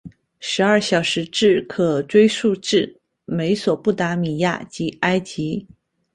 十二小时制可追溯至美索不达米亚及埃及。